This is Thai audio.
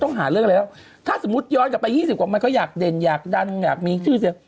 หาเรื่องแล้วถ้าสมมุติย้อนกลับไป๒๐กว่ามันก็อยากเด่นอยากดังอยากมีชื่อเสียง